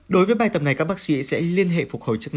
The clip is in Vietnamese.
đối với bài tập này các bác sĩ sẽ liên hệ phục hồi chức năng